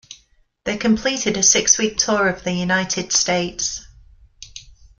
They completed a six-week tour of the United States.